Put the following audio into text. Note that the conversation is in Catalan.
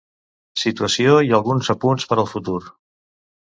Situació i alguns apunts per al futur.